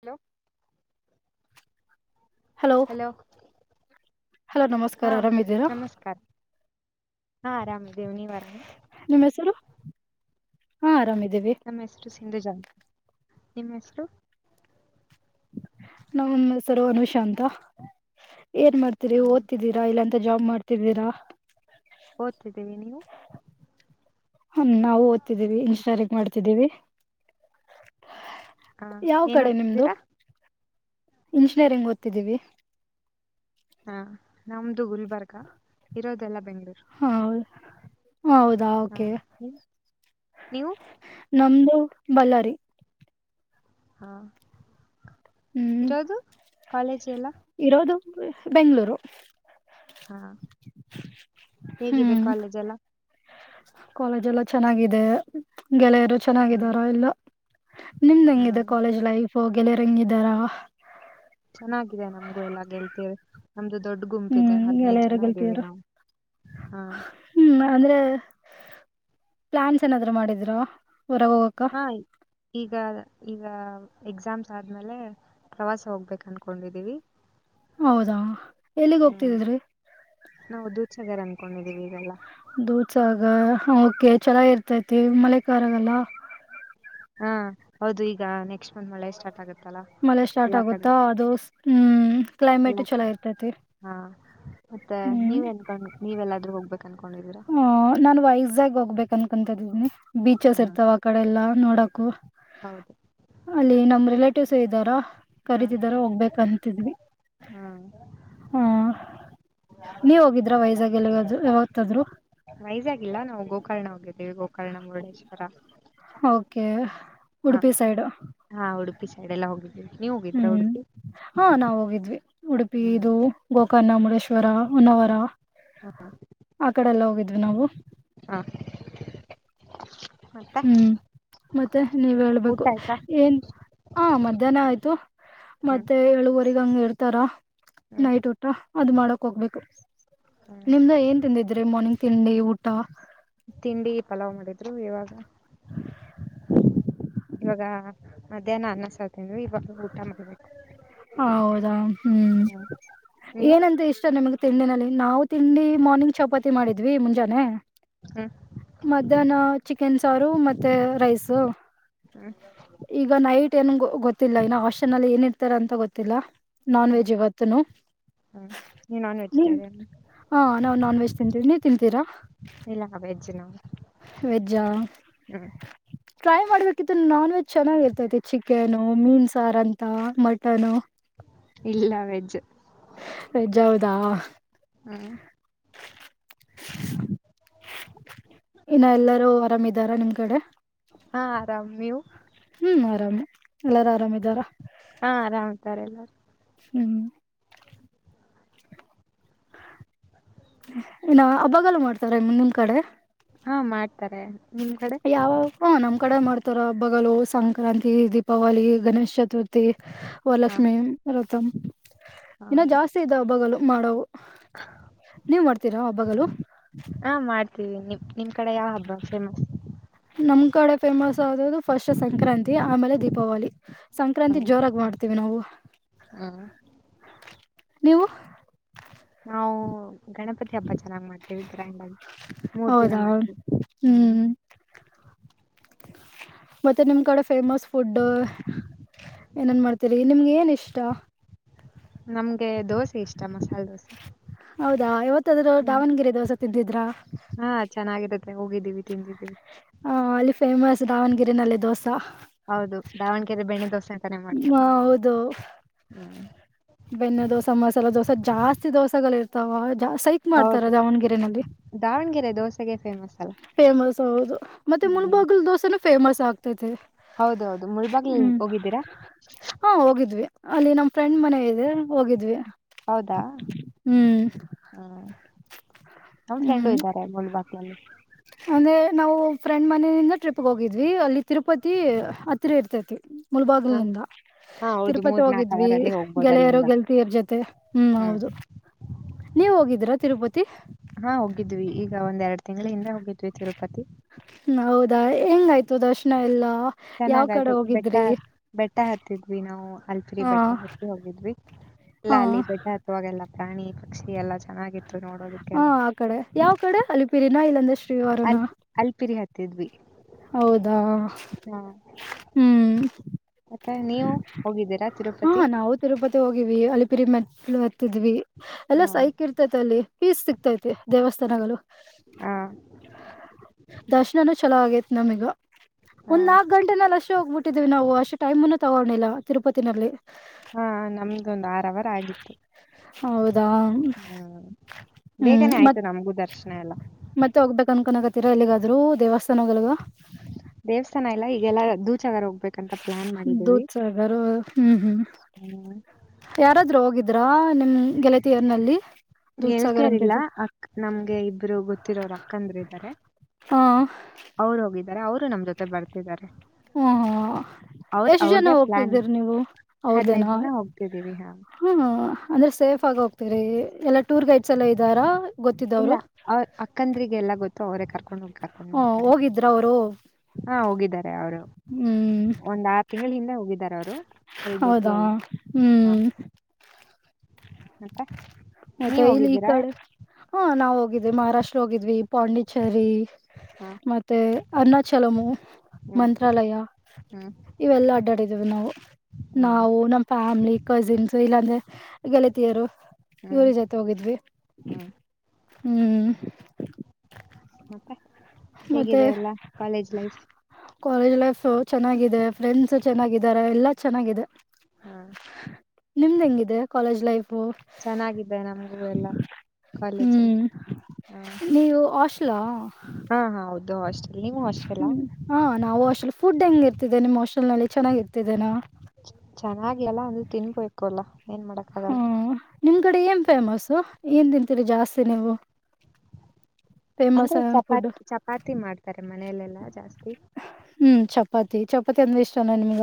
Hello hello hello hello ನಮಸ್ಕಾರ ಹಾ ಆರಾಮಿದ್ದೀರಾ ನಮಸ್ಕಾರ. ಹಾ ಆರಾಮ್ ಇದೀವಿ ನೀವ್ ಆರಾಮ. ನಿಮ್ಮ್ ಹೆಸರು ಹಾ ಆರಾಮಿದ್ದೀವಿ. ನಮ್ಮ ಹೆಸರು ಸಿಂಧುಜಾ ಅಂತ ನಿಮ್ಮ ಹೆಸರು. ನಮ್ಮ ಹೆಸರು ಅನುಷಾ ಅಂತ ಏನ್ ಮಾಡ್ತೀರಿ ಹ ಓದ್ತಿದ್ದೀರಿ ಇಲ್ಲ ಅಂತ ಜಾಬ್ ಮಾಡ್ತಿದ್ದೀರಾ. ಓದ್ತಿದ್ದೀವಿ ನೀವು. ಹಾಂ ನಾವು ಓದ್ತಿದ್ದೀವಿ ಇಂಜಿನಿಯರಿಂಗ್ ಮಾಡ್ತಿದ್ದೀವಿ. ಹ ಯಾವ ಏನ್ ಕಡೆ ನಿಮ್ದು ಓದ್ತಿದ್ದೀರಾ ಇಂಜಿನಿಯರಿಂಗ್ ಓದ್ತಿದ್ದೀವಿ. ಹಾ ನಮ್ದು ಗುಲ್ಬರ್ಗಾ ಇರೋದೆಲ್ಲಾ ಬೆಂಗಳೂರು. ಹೌದ ಹೌದಾ ಹ ಓಕೆ. ನೀವ್ ನೀವು ನಮ್ದು ಬಳ್ಳಾರಿ. ಹಾ ಹ್ಮ್ ಇರೋದು ಕಾಲೇಜ್ ಎಲ್ಲಾ. ಇರೋದು ಬೆಂಗಳೂರು. ಹಾ ಹೇಗಿದೆ ಹ್ಮ್ ಕಾಲೇಜ್ ಎಲ್ಲಾ. ಕಾಲೇಜ್ ಎಲ್ಲ ಚೆನ್ನಾಗಿದೆ ಗೆಳೆಯರು ಹ್ಮ್ ಚೆನ್ನಾಗಿದಾರ ಎಲ್ಲಾ. ನಿಮ್ದ್ ಹೆಂಗಿದೆ ಹ್ಮ್ ಕಾಲೇಜ್ ಲೈಫ್ ಗೆಳೆಯರ್ ಹೆಂಗಿದಾರಾ. ಚೆನ್ನಾಗಿದೆ ನಮ್ಗು ಎಲ್ಲ ಗೆಳತಿಯೇರು. ನಮ್ದು ದೊಡ್ಡ ಗುಂಪ ಇದೆ ಹ್ಮ್ ಹದ್ನೈದು ಗೆಳೆಯರು ಜನ ಇದ್ದೀವಿ ಗೆಳತಿಯರು ನಾವು ಹಾ. ಹ್ಮ್ ಅಂದ್ರೆ ಪ್ಲಾನ್ಸ್ ಏನಾದ್ರು ಮಾಡಿದ್ರ ಹೊರಗ ಹೋಗಕ್ಕ. ಹಾ ಈಗ ಈಗ ಎಕ್ಸಾಮ್ಸ್ ಆದ್ಮೇಲೆ ಪ್ರವಾಸ ಹೋಗ್ಬೇಕ ಅನ್ಕೊಂಡಿದ್ದೀವಿ. ಹೌದಾ ಎಲ್ಲಿಗ್ ಹ್ಮ್ ಹೋಗ್ತಿದಿದ್ರಿ. ನಾವು ದುದಸಗಾರ್ ಅನ್ಕೊಂಡಿದೀವಿ ಈಗೆಲ್ಲಾ. ದೂಸಾಗ ಓಕೆ ಚೆನ್ನಾಗಿ ಇರ್ತೈತಿ ಮಳೆಗಾಲ ಅಲ್ಲ. ಹಾ ಹೌದು ಈಗ ನೆಕ್ಸ್ಟ್ ಮಳೆ ಮಳೆ ಸ್ಟಾರ್ಟ್ ಆಗುತ್ತೆ. ಮಳೆ ಸ್ಟಾರ್ಟ್ ಆಗುತ್ತಾ ಅದು ಹ್ಮ್ ಕ್ಲೈಮೇಟು ಎಲ್ಲಾ ಚಲೋ ಕಡೆ ಇರ್ತೈತಿ. ಹಾ ಮತ್ತೆ ಹ್ಮ್ ನೀವ್ ಎನ್ಕೊಂಡ ನೀವ್ಲ್ಲಾದ್ರೂ ಹೋಗ್ಬೇಕು ಕನ್ಕೊಂಡರಿ. ಹ ನಾನ್ ವೈಜಾಗ ಹೋಗ್ಬೇಕು ಅನ್ಕಂತ ಇದಿದ್ದೀನಿ ಬೀಚಸ್ ಇರ್ತಾವ ಆಕಡೆ ಎಲ್ಲಾ ನೋಡಕು. ಹೌದ. ಅಲ್ಲಿ ನಮ್ ರಿಲೇಟಿವ್ಸ್ ಇದ್ದಾರ ಹ್ಮ ಕರೀತಿದಾರ ಹೋಗ್ಬೇಕಂತಿದ್ವಿ. ಹಾ ಹ್ಮ ನೀವ್ ಹೋಗಿದ್ರ ವೈಜಾಗ್ ಎಲ್ಲಿಗಾದ್ೂ ಯಾವತ್ತಾದ್ರು. ವೈಜಾಗಿಲ್ಲ ನಾವು ಗೋಕರ್ಣ ಹೋಗಿದ್ದೀವಿ ಗೋಕರ್ಣ ಮುರುಡೇಶ್ವರ. ಓಕೆ ಹಾ ಉಡುಪಿ ಸೈಡು. ಹಾ ಉಡುಪಿ ಸೈಡ್ ಎಲ್ಲ ಹೋಗಿ ದ್ವಿ ನೀವು ಹೋಗಿದ್ರಾ. ಹ್ಮ್ ಉಡುಪಿ ಹಾ ನಾವ ಹೋಗಿದ್ವಿ ಉಡುಪಿ ಹ್ಮ್ ಇದು ಗೋಕರ್ಣ ಮುಡೇಶ್ವರ ಉನವರ ಆ ಕಡೆ ಎಲ್ಲ ಹೋಗಿದ್ವಿ ನಾವು. ಹಾ ಮತ್ತೆ ಹ್ಮ್ ಮತ್ತೆ ನೀವ್ ಊಟ ಹೇಳ್ಬೇಕು ಆಯ್ತಾ ಏನ್ ಹಾ ಮಧ್ಯಾಹ್ನ ಆಯ್ತು ಹ್ಮ್ ಮತ್ತೆ ಏಳುವರೆಗ ಹಂಗ ಇರ್ತಾರ ಹ್ಮ್ ನೈಟ್ ಊಟ ಊಟ ಅದು್ ಮಾಡಕ್ ಹೋಗ್ಬೇಕು ಹ್ಮ್ ನಿಮ್ದ ಏನ್ ತಿಂದಿದ್ರಿ ಮಾರ್ನಿಂಗ್ ತಿಂಡಿ ಊಟ. ತಿಂಡಿ ಪಲಾವ್ ಮಾಡಿದ್ರು ಇವಾಗ ಇವಾಗ ಮಧ್ಯಾಹ್ನ ಅನ್ನಸತಿಂದವಿ ಇವಾಗ ಊಟ ಮಾಡ್ಬೇಕು ಹೌದಾ ಹ್ಮ್ ನೀವು ಏನಂತ ಇಷ್ಟ ನಮ್ಗ ತಿಂಡಿನಲ್ಲಿ ನಾವು ತಿಂಡಿ ಮಾರ್ನಿಂಗ್ ಚಪಾತಿ ಮಾಡಿದ್ವಿ ಮುಂಜಾನೆ. ಹ್ಮ್ ಮಧ್ಯಾಹ್ನ ಚಿಕನ್ ಸಾರು ಮತ್ತೆ ರೈಸ. ಹ್ಮ ಈಗ ನೈಟ್ ಏೊ ಗೊತ್ತಿಲ್ಲ ಇನ್ನ ಹಾಸ್ಟೆನ್ಲ್ಲಿ ಏನ್ ಇರ್ತಾರ ಅಂತ ಗೊತ್ತಿಲ್ಲ. ನಾನ್ ಹ್ಮ್ ವೆಜ್ ಇವತ್ತುನು ಹ್ಮ್ ನೀವ್ ನಾನ್ [inaudible] ನೀನ್ ವೆಜಿಟೇರಿಯನ್ ಹ ನಾವು ನಾನ್ ವೆಜ್ ತಿಂತೀವಿ ನೀವ ತಿಂತೀರಾ? ಇಲ್ಲ ವೇಜ್ಜ ನ ವೆಜ್ಜಾ ಟ್ರೈ ಮಾಡ್ಬೇಕಿತ್ತು ನಾನ್ ವೆಜ್ ಚೆನ್ನಾಗಿ ಇರ್ತೈತಿ ಚಿಕನು ಮೀನ್ಸಾರ ಅಂತ ಮಟನು ಇಲ್ಲ ವೆಜ್ ವೆಜ್ ಹೌದಾ ಹ್ಮ್ [inaudible] ಇನ್ನ ಎಲ್ಲಾರೂ ಆರಾಮ್ದಾರ ನಿಮ್ ಕಡೆ ಹಾ ಆರಾಮ್ ನೀವು ಹ್ಮ್ ಆರಾಮ್ ಎಲ್ಲಾರು ಆರಾಮಿದಾರ ಹಾ ಆರಾಮ್ತಾರೆ ಎಲ್ಲಾರೂ ಹ್ಮ್ [inaudible] ನ ಹಬ್ಬಗಲು ಮಾಡ್ತಾರ ಮುಂದ್ ಕಡೆ ಹಾ ಮಾಡ್ತಾರೆ ನಿಮ್ ಕಡೆ ಯಾವ ಹ ನಮ್ ಕಡೆ ಮಾಡ್ತಾರ ಹಬ್ಬಗಲು ಸಂಕ್ರಾಂತಿ ದೀಪಾವಳಿ ಗಣೇಶ್ ಚತುರ್ಥಿ ತಿ ಹಾ ವಲಕ್ಷ್ಮ ರತಂ ಹಾ [inaudible] ಇನ್ನ ಜಾಸ್ತಿ ಇದ ಹಬ್ಬಗಲು ಮಾಡವು [inaudible] ನೀವ್ ಮಾಡ್ತೀರಾ ಹಬ್ಬಗಲು ಹಾ ಮಾಡ್ತೀವಿ ನಿ ನಿಮ್ ಕಡೆ ಯಾವ ಹಬ್ಬ ಫೇಮಸ್ ನಮ್ ಕಡೆ ಫೇಮಸ್ ಆದದು ಫಸ್ಟ್ ಸಂಕ್ರಾಂತಿ ಆಮೇಲೆ ದೀಪಾವಳಿ ಸಂಕ್ರಾಂತಿ ಹ್ಮ್ ಜೋರಾಗಿ ಮಾಡ್ತೀವಿ ನಾವು ಹ್ಮ್ [inaudible] ನೀವು ನಾವು ಗಣಪತಿ ಗಣಪತಿ ಹಬ್ಬ ಚೆನ್ನಾಗ್ ಮಾಡ್ತೀವಿ ಗ್ರೈಂಡ್ ಆಗಿ ಮೂರ್ ದಿನ ಮಾಡ್ತೀವಿ ಹ್ಮ [inaudible] ಮತ್ತೆ ನಿಮ್ ಕಡೆ ಫೇಮಸ್ ಫುಡ್ [inaudible] ಏನ್ ಏನ್ ಮಾಡ್ತೀರಿ ನಿಮ್ಗೆ ಏನ್ ಇಷ್ಟ ನಮ್ಗೆ ದೋಸೆ ಇಷ್ಟ ಮಸಾಲೆ ದೋಸೆ [inaudible] ಹೌದಾ ಯವತ್ತಾದ್ರೂ ಹ್ಮ್ ದಾವಣಗೆರೆ ದೋಸಾ ತಿದ್ದಿದ್ರಾ? ಹಾ ಚೆನ್ನಾಗಿದೆ ಹೋಗಿದ್ದೀವಿ ತಿಂದಿದ್ದೀವಿ ಹ ಅಲ್ಲಿ ಫೇಮಸ್ ಡಾವಣಗಿರನಲ್ಲಿ ದೋಸೆ ಹೌದು ಡಾವಣಗೆರೆ ಬೆಣ್ಣೆ ದೋಸೆ ಅಂತಾನೇ ಮಾಡ್ತಾರಲ್ಲ ಹೌದು [inaudible] ಹ್ಮ್ ಬೆಣ್ಣೆ ದೋಸಾ ಮಸಾಲೆ ದೋಸೆ ಜಾಸ್ತಿ ದೋಸೆಗಳ ಇರ್ತಾವ ಜಾ ಸೈಕ್ ಹೌದು ಮಾಡ್ತಾರ ದಾವಣಗೆರೆಯಲ್ಲಿ ದಾವಣಗೆರೆ ದೋಸೆಗೆ ಫೇಮಸ್ ಅಲ್ಲ [inaudible] ಫೇಮಸ್ ಹೌದು ಮತ್ತೆ ಹ್ಮ್ ಮುಲ್ಬಾಗಲ್ ದೋಸೆನು ಫೇಮಸ್ ಆಗ್ತೈತೆ ಹೌದೌ ಹೌದ ಮುಳ್ಬಾಗ್ಲಲ್ಲಿ ಹೋಗಿದ್ದೀರಾ? ಹು ಹೋಗಿದ್ವಿ ಅಲ್ಲಿ ನಮ್ ಫ್ರೆಂಡ್ ಮನೆ ಇದೆ ಹೋಗಿದ್ವಿ. ಹೌದಾ ಹ್ಮ್ [inaudible] ಹ್ಮ ನಮ್ಮ್ ಹ್ಮ್ ಫ್ರೆಂಡು ಇದ್ದಾರೆ ಮುಲ್ಬಾಕ್ಲ್ಲಿ ಅಂದ್ರೆ ನಾವು ಫ್ರೆಂಡ್ ಮನೆಯಿಂದ ಟ್ರಿಪ್ಗೆ ಹೋಗಿದ್ವಿ ಅಲ್ಲಿ ತಿರುಪತಿ ಹತ್ತಿರ ಇರ್ತೈತಿ ಮುಳಭಾಗಾಗಿಲ್ ಹಾ ನಿಂದ ಹಾ ಹೌದು ತಿರುಪತಿ ಮೂರ್ ನಾಲ್ಕು ಹೋಗಿದ್ವಿ ಅವರಲ್ಲಿ ಹೋಗ್ಬೋದು ಗೆಳೆಯರ ಅಲ್ಲಿಂದ ಗೆಲ್ತಿಯರ್ ಜೊತೆ ಹ್ಮ್ ಹೌದು ನೀವ್ ಹೋಗಿದ್ರಾ ತಿರುಪತಿ ಹಾ ಹೋಗಿದ್ವಿ ಈಗ ಒಂದ್ ಎರಡ್ ತಿಂಗಳ ಹಿಂದೆ ಹೋಗಿದ್ವಿ ತಿರುಪತಿ ಹೌದಾ ಹೆಂಗಾಯ್ತು ದರ್ಶನ ಎಲ್ಲಾ ಯಾವ್ ಚೆನ್ನಾಗ್ ಕಡೆ ಆಯ್ತು ಬೆಟ್ಟ ಹೋಗಿದ್ರಿ ಬೆಟ್ಟ ಹತ್ತಿದ್ವಿ ನಾವು ಅಲ್ಪರಿ ಹ ಬೆಟ್ಟ ಹತ್ತಿ ಹೋಗಿದ್ವಿ. ಹ ಎಲ್ಲ ಅಲ್ಲಿ ಬೆಟ್ಟ ಹತ್ತುವಾಗೆಲ್ಲಾ ಪ್ರಾಣಿ ಪಕ್ಷಿ ಎಲ್ಲಾ ಚೆನ್ನಾಗಿತ್ತು ಹ ನೋಡೋದಕ್ಕೆಲ್ಲ. ಆ ಕಡೆ ಯಾವ್ ಕಡೆ ಅಲಿಪಿರಿನ ಇಲ್ಲಾಂದ್ರೆ ಶ್ರೀವಾರನ. ಅಲ್ ಅಲ್ಪಿರಿ ಹತ್ತಿದ್ವಿ ಹೌದಾ ಹಾ. ಹ್ಮ್ ಮತ್ತೆ ನೀವು ಹೋಗಿದ್ದೀರಾ ಹಾ ತಿರುಪತಿ. ನಾವು ತಿರುಪತಿ ಹೋಗಿವವಿ ಅಲಿಪಿರಿ ಮೆಟ್ಲು ಹತ್ತಿದ್ವಿ ಎಲ್ಲಾ ಹಾ ಸೈಕ್ ಇರ್. ತ ಅಲ್ಲಿ ಪೀಸ್ ಸಿಕ್ತೈತಿ ದೇವಸ್ಥಾನಗಳು. ಹಾ- ದರ್ಶನಾನು ಚಲೋ ಆಗೈತ್ ನಮೀಗ ಹಾ ಒಂದ್ ನಾಲ್ಕ ಗಂಟೆ. ಲ್ಲಿ ಅಷ್ಟೇ ಹೋಗ್ಬಿಟ್ಟಿದೀವಿ ನಾವು ಅಷ್ಟೇ ಟೈಮ್ನು ತಗೋಿಲ್ಲ ತಿರುಪಿನಲ್ಲಿ. ಹಾ ನಮ್ದು ಒಂದು್ ಆರವರ ಆಗಿತ್ತು ಹೌದಾ ಹ್ಮ. ಹ್ಮ್ ಬೇಗನೆ ಆಯ್ತು ಮತ್ ನಮಗೂ ದರ್ಶನ ಎಲ್ಲ. ಮತ್ತೆ ಹೋಗ್ಬೇಕಕ್ ಅನ್ಕನ್ಕತ್ತೀರಾ ಎಲ್ಲಿಗಾದ್ೂ ದೇವಸ್ಥಾನ ಹೋಗಲ್ಗ. ದೇವಸ್ಥಾನ ಇಲ್ಲ ಈಗೆಲ್ಲ ದೂಚಗಾರ ಹೋಗ್ಬೇಕು. ಂತ ಪ್ಲಾನ್ ಮಾಡಿದೀವಿ. ದೂದ್ಸಾಗರ್ ಹ್ಮ್ ಹ್ಮ್ ಯಾರಾದ್ರೂ ಹೋಗಿದ್ರಾ ನಿಮ್ ಗೆಳತಿಯರ್ ನಲ್ಲಿ. ಗೆಳ್ತಾರಿಲ್ಲ ಅಕ್ ನಮ್ಗೆ ಇಬ್ರು ಗೊತ್ತಿರೋರು ಅಕ್ಕಂದ್ರ ಇದಾರೆ. ಹಾ ಅವರು ಹೋಗಿದ್ದಾರೆ ಅವರು ನಮ್ ಜೊತೆ ಬರ್ತಿದ್ದಾರೆ. ಹ್ಮ ಹಾ ಅವದ ಎಷ್ಟ್ ಜನ ಅವ್ರ್ದೇ ಪ್ಲಾನ್ ಹೋಗ್ತಿದ್ದೀರಿ ನೀವು ಹದ್ಿನೈದು ಜನ ಹೋಗ್ತಿದ್ದೀವಿ ಹಾ. ಹ್ಮ್ ಅಂದ್ರೆ ಸೇಫ್ ಆಗಿ ಹೋಗ್ತರಿ ಎಲ್ಲಾ ಟೂರ್ ಗೈಡ್ಸ್ ಎಲ್ಲ ಇದ್ದಾರಾ. ಇಲ್ಲ ಗೊತ್ತಿದ್ದವ್ರು ಅವ ಅಕ್ಕಂದ್ರಿಗೆ ಎಲ್ಲಾ ಗೊತ್ತು ಅವರೇ ಕರ್ಕೊಂಡ್ ಹೋಗ್ರ್. ಹ್ಮ ಹೋಗಿದ್ರ ಅವರು. ಹಾ ಹೋಗಿದ್ದಾರೆ ಅವರು ಹ್ಮ್ ಒಂದ್ ಆರು ತಿಂಗಳ ಹಿಂದೆ ಹೋಗಿದ್ದಾರೆ ಅವರು. ಹಗ್ ಗೊತ್ತೇ ಹೌದಾ ಅಲ್ಲ ಹಾ. ಹ್ಮ್ ಮತ್ತೆ- ಮತ್ತೆ ನೀವ್ ಇಲ್ಲಿ ಈ ಹೋಗಿದ್ದೀರಾ ಕಡೆ ಹಾ ನಾವ ಹೋಗಿದ್ವಿ ಮಹಾರಾಷ್ಟ್ರ ಹೋಗಿದ್ವಿ ಪಾಂಡಿಚೆರಿ. ಹಾ ಮತ್ತೆ ಅರ್ಣಾಚಲಮು ಹ್ಮ್ ಮಂತ್ರಾಲಯ. ಹ್ಮ್ ಇವೆಲ್ಲಾ ಅಡ್ಡಾಡಿದೇವಿ ನಾವು ಹ್ಮ್ ನಾವು ನಮ್ ಫ್ಯಾಮಿಲಿ ಕಸಿನ್ಸ್ ಇಲ್ಲಾಂದ್ರೆ. ಗೆಳತಿಯರು ಇವ್ರ ಜೊತೆ ಹೋಗಿದ್ವಿ. ಹ್ಮ. ಹ್ಮ್- ಮತ್ತೆ ಮತ್ತೆ ಹೇಗಿದೆ ಎಲ್ಲ ಕಾಲೇಜ್ ಲೈಫ್. ಕಾಲೇಜ್ ಲೈಫ್ ಚೆನ್ನಾಗಿದೆ ಫ್ರೆಂಡ್ಸ್ ಚೆನ್ನಾಗಿದ್ದಾರೆ ಎಲ್ಲಾ ಚೆನ್ನಾಗಿದೆ. ಹಾ- ನಿಮ್ದ ಹೆಂಗಿದೆ ಕಾಲೇಜ್ ಲೈಫು. ಚೆನ್ನಾಗಿದ್ದೆ ನಮ್ಗೂ ಎಲ್ಲಾ. ಹ್ಮ್ ನೀವು ಹಾಸ್ಟೆಲ್ ಹಾ. ಹಾ ಹಾ ಹೌದು ಹಾಸ್ಟೆಲ್ ನೀವು ಹಾಸ್ಟೆಲ್ ಲ್ಲ. ಹಾ ನಾವು ಹಾಸ್ೆಲ್ ಫುಡ್ ಹೆಂಗ ಇರ್ತಿದ್ದೇ ನಿಮ್ ಹೋಸ್ೆಲ್ ನಲ್ಲಿ ಚೆನ್ನಾಗಿ ಇರ್ತೇನೆ. ಚೆನ್ನಾಗ್ಲಲ್ಲ ಅಂದ್ರ ತಿನ್ಬೇಕೋು ಅಲ್ಲಾ ಏನ್ ಮಾಡಕ್. ಹ್ಮ ಆಗಲ್ಲ ನಿಮ್ ಕಡೆ ಏನ್ ಫೇಮಸ್ು ಏನ್ ತಿಂತೀರಿ ಜಾಸ್ತಿ ನೀವು. ಫೇಮಸ್ ಅಂದ್ರೆ ಚಪಾತಿ ಫುಡ್ ಚಪಾತಿ ಮಾಡ್ತಾರೆ ಮನೆಯಲೆೆಲ್ಲಾ ಜಾಸ್ತಿ. ಹ್ಮ್ ಚಪಾತಿ ಚಪಾತಿ ಅಂದ್ರೆ ಇಷ್ಟಾನ ನಿಮ್ಗ.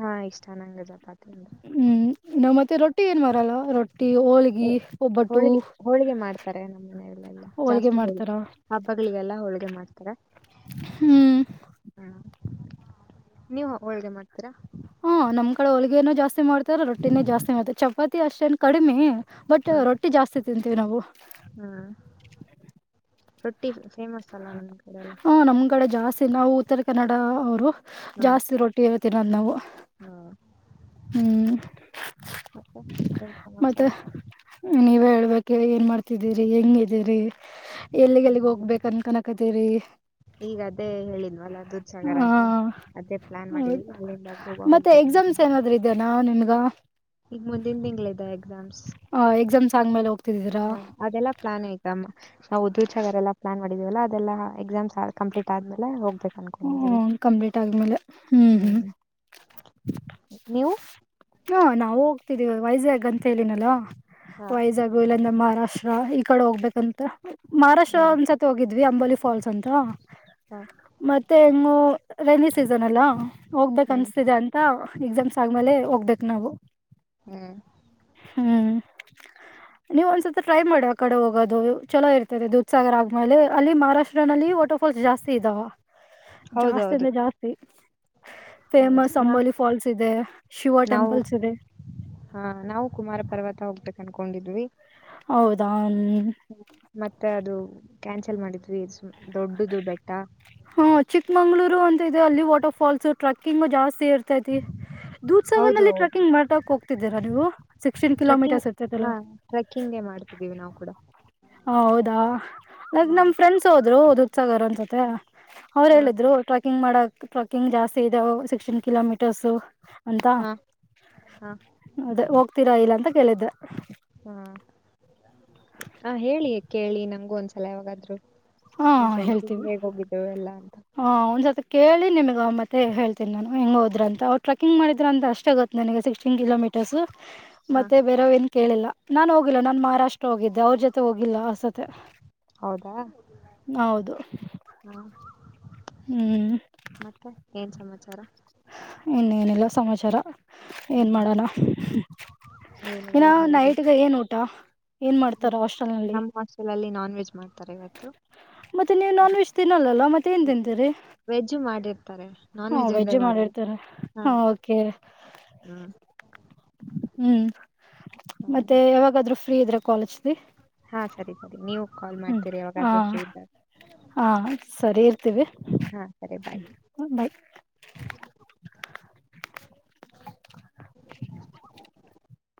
ಹಾ ಇಷ್ಟ ನಂಗೆ ಚಪಾತ ಅಂದ್ರೆ. ಹ್ಮ್ ನಮ್ಮ್ ಮತ್ತೆ ರೋಟ್ಟ. ರೊಟ್ಟಿ ಏನ್ ಮಾರಲ್ಲ ರೊಟ್ಟಿ ಹೋಳ್ಗಿ ಒಬ್ಬಟ್ಟು. ಹೋಳಿಗೆ ಹೋಳಿಗೆ ಮಾಡ್ತಾರೆ ಹೋಲ್ಗೆ ಮಾಡ್ತಾರಾ- ಹಬ್ಬಗಳಿಗೆಲ್ಲಾ ಹೋಳ್ಗೆ ಮಾಡ್ತಾರೆ. ಹ್ಮ್, ಹಾ, ನೀವು ಹೊಳ್ಗೆ ಮಾಡ್ತೀರಾ ಹಾ, ನಮ್ ಕಡೆ ಹ ಹೊಳ್ಗೆನು ಜಾಸ್ತಿ ಮಾಡ್ತಾರ, ರೊಟ್ಟಿನು ಜಾಸ್ತಿ ಮಾಡ್ತಾರ, ಚಪಾತಿ ಅಷ್ಟೇನ್ ಕಡಿಮೆ. ಬಟ್ ಹ್ಮ ರೊಟ್ಟಿ ಜಾಸ್ತಿ ತಿಂತೀವಿ ನಾವು. ಹ್ಮ್, ರೊಟ್ಟಿ ಫೇಮಸ್ ಅಲ್ಲ ನಿಮ್ಮ ಕಡೆ ಎಲ್ಲಾ ನಮಕಡೆ ಜಾಸ್ತಿ ನಾವು ಉತ್ತರ ಕನ್ನಡ ಅವರು ಹ್ಮ್ ಜಾಸ್ತಿ ರೊಟ್ಟಿನೆ ತಿನ್ನದ್ ನಾವು. ಹಾ, ಹ್ಮ್ ಮತ್ತೆ ಏನ್ ಸಮಾಚಾರ ನೀವ್ ಹೇಳ್ಬೇಕು ಏನ್ ಮಾಡ್ತಿದ್ದೀರಿ ಹೆಂಗಿದೀರಿ ಎಲ್ಲಿಗೆ ಎಲ್ಲಿಗ್ ಚೆನ್ನಾಗಿದೆ ಹೋಗ್ಬೇಕ ಅನ ಕನಕ್ ಕದ ರ [inaudible] ಈಗ ಅದೇ ಹೇಳಿದವಲ್ಲ ದೂದಸಾಗರ್ ಆ ಅಂತ. ಅದೇ ಪ್ಲಾನ್ ಮಾಡಿದ್ವಿ ಅಲ್ಲಿಂದ ಹೋಗ ಹೋಗ್ ಮತ್ತೆ ಎಕ್ಸಾಮ್ಸ್ ಏನಾದ್ರುಇದೆಎನ ನಿನ್ಗ. ಈಗ ಮುಂದಿನ ತಿಂಗಳಿದೆ ಎಕ್ಸಾಮ್ಸ್ ಹಾ, ಎಕ್ಸಾಮ್ಸ್ ಆದಮೇಲೆ ಹಾ, ಅದೆಲ್ಲ ಪ್ಲಾನ್ ಆಯ್ತು ನಾವು ಉದ್ರೂ [unintelligible] ಚಗರೆಲ್ಲ ಪ್ಲಾನ್ ಮಾಡಿದೀವಲ್ಲ ಅದೆಲ್ಲ ಎಕ್ಸಾಮ್ಸ್ ಕಂಪ್ಲೀಟ್ ಆದ್ಮೇಲೆ ಹೋಗ್ಬೇಕು. ಅನ್ಕೊಂಡಿದೀವಿ ಹ್ಮ್, ಕಂಪ್ಲೀಟ್ ಆ ಆದ್ಮೇಲೆ ಹ್ಮ್, ಹ್ಮ್ ನೀವು ಹಾ, ನಾವವು ಹೋಗ್ತಿದ್ದೀವ ವೈಜಾಗ್ ಅಂತ ಹೇಳಿನಲ್ಲ [unintelligible] ಹಾ ವೈಜಾಗ್ ಇಲ್ಲಾಂದ್ರೆ ಮಹಾರಾಷ್ಟ್ರ ಈ ಕಡೆ ಹೋಗ್ಬೇಕಂತ ಮಹಾರಾಷ್ಟ್ರ ಹ್ಮ್ ಒಂದಸ ತೋಗಿದ್ವಿ ಅಂಬಾಲಿ ಫಾಲ್ಸ್ ಅಂತ. ಹಾ [inaudible] ಮತ್ತೆ ಹೆಂಗ ರೈನಿ ಸೀಸನ್ ಅಲ್ಲಾ ಹೋಗ್ಬೇಕ ಹ್ಮ್ ಅನ್ಸ್ತಿದೆ ಅ ಎಕ್ಸಾಮ್ಸ್ ಆದ್ಮೇಲೆ ಹೋಗ್ಬೇಕು ನಾವು. ಹ್ಮ್, ಹ್ಮ್, ನೀವು ಒಂದ್ಸಲ ಟ್ರೈ ಮಾಡಿ ಆ ಕಡೆ ಹೋಗೋದು. ಚಲೋ ಇರ್ತದೆ ದುೂದಸಾಗರ್ ಆದ್ಮೇಲೆ ಅಲ್ಲಿ ಮಹಾರಾಷ್ಟ್ರ ನಲ್ಲಿ ಟೋ ಫಾಲ್ಸ್ ಜಾಸ್ತಿ ಇದಾವ ಜಾಸ್ತಿ ಹೌದೌದು ಅಂದ್ರೆ ಜಾಸ್ತಿ ಹೌದು ಫೇಮಸ್ ನಾ ಅಂಬೋಲಿ ಫಾಲ್ಸ್ ಇದೆ ಶಿವ ಟೆಂಪಲ್ಸ್ ಇದೆ. ಹಾ, ನಾವು ಕುಮಾರ ಪರ್ವತ ಹೋಗಬೇಕ್ ಅನ್ಕೊಂಡಿದ್ವಿ. ಹೌದಾ, ಹ್ಮ ಮತ್ತೆ ಅದು ಕ್ಯಾನ್ಸಲ್ ಮಾಡಿದ್ವಿ ದೊಡ್ಡದು ಬೆಟ್ಟ. ಹಾ, ಚಿಕ್ಮಂಗ್ಳೂರು ಅಂತ ಇದೆ ಅಲ್ಲಿ ವಾಟರ್ ಫಾಲ್ಸ್ ಟ್ರಕ್ಕಿಂಗ್ ಜಾಸ್ತಿ ಇರ್ತೈತಿ. ದೂದಸಾಗರ್ ಹೌದು ಹೌದು ನಲ್ಲಿಟ್ರಕಿಂಗ್ ಮಾಡಕ್ ಹೋಗ್ತಿದ್ದೀರ ನೀವು ಸೆಕ್ಸ್ಟನ ಟ್ರೆಕ್ಕಿಂಗ್ ಕೀಲೋಮೀಟರ [unintelligible] ಹಾ, ಟ್ರೆಕ್ಕಿಂಗ್ ಮಾಡ್ತಿದ್ದೀವಿ ನಾವು ಕೂಡ. ಹಾ, ಹೌದಾ! ಹ್ಮ ನಮ್ ಫ್ರೆಂಡ್ಸ್ ಹೋದ್ರು ದೂದಸಾಗರ ಅನ್ಸುತ್ತೆ. ಅವ್ರು ಹಾ ಹೇಳಿದ್ರು ಟ್ರೆಕ್ಕಿಂಗ್ ಮಾಡಕ್ ಟ್ರೆಕ್ಕಿಂಗ್ ಜಾಸ್ತಿ ಇದಾವಸಿಕ್ಸ್ಟೀನ್ ಕಿಲೋಮೀಟರ್ಸ್. ಅಂತ ಹಾ ಹಾ ಅದೇ ಹೋಗ್ತೀರಾ ಇಲ್ಲ ಅಂತ ಕೇಳಿದ್ದೆ. ಹಾ, ಆ ಹೇಳಿ ಕೇಳಿ ನಂಗು ಒಂದ್ಸಲ ಯಾವಾಗಾದ್ರು. ಹಾ ನಿಮ್ ಫ್ರೆಂಡ್ಸ ಹೇಳ್ತೀವಿ ಹೇಗ್ ಹೋಗಿದ್ದೇವೆ ಎಲ್ಲಾಂತ. ಹ ಒಂದ್ಸತಿ ಕೇಳಿ ನಿಮಗ ಮತ್ತ ಹೇಳ್ತಿನಿ. ನಾನು ಹೆಂಗೋದ್ರ ಅಂತ ಅವ್ರು ಟ್ರಕಿಂಗ್ ಮಾಡಿದ್ರ ಅಂತ ಅಷ್ಟೇ ಗೊತ್ತ. ನನಗ ಸಿಕ್ಸ್ಟೀನ್ ಕಿಲೋಮೀಟರ್ಸ್ ಹಾ ಮತ್ತೆ ಬೇರವ್ ಏನ್ ಕೇಳಿಲ್ಲ ನಾನ್ ಹೋಗಿಲ್ಲ ನಾನ್ ಮಹಾರಾಷ್ಟ್ರ ಹೋಗಿದ್ದೆ. ಅವ್ರ ಜೊತೆ ಹೋಗಿಲ್ಲ ಆಸತ್ತೆ ಹೌದಾ, ಹ್ಮ ಹ್ಮ್- ಮತ್ತೆ ಏನ್ ಸಮಾಚಾರ. ಇನ್ನೇನಿಲ್ಲ ಸಮಾಚಾರ ಏನ್ ಮಾಡೋಣ. ಏನ್ ಇನ್ನ ಎಲ್ಲಾ ಹೇಬೇಕ. ನೈಟ್ಗೆ ಏನ್ ಊಟ ಏನ್ ಮಾಡ್ತಾರ ಈಗ ಹಾಸ್ಟೆಲ್ ನಲ್ಲಿ ನಮ್ಮ ಹಾಸ್ಟೆಲಲ್ಲಿ ನಾನ್ ವೆಜ್ ಮಾಡ್ತಾರೆ ಇವತ್ತು. ಮತ್ತೆ ನೀವು ನಾನ್ ವೆಜ್ ತಿನ್ನಲ್ಲ ಮತ್ತೆ. ಏನ್ ತಿಂತೀರಿ ವೆಜ್ಜು ಮಾಡಿರ್ತಾರೆ. ನಾನ್ ಹಾ ವೆಜ್ ಅಂದೇ ಮಾಡಲ್ಲ ಮಾಡಿರ್ತಾರೆ ಹಾ ಓಕೆ ಹಾ. ಹ್ಮ್ ಹಾ ಮತ್ತೆ ಯಾವಾಗಾದ್ೂ ಫ್ರೀ ಇದ್ರೆ ಕಾಲೇಜ್್ದ. ಹಾ ಸರಿ ಸರಿ ನೀವು ಕಾಲ್ ಮಾಡ್ತೀರಿ ಹ ಯವಾಗಾದ್ರೂ ಫ್ರೀ ಇದ್ದ. ಹಾ ಸರಿ ಇರ್ತೀವಿ ಹಾ ಸರಿ ಬಾಯ್ ಬಾಯಿ.